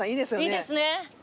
いいですね。